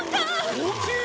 大きい！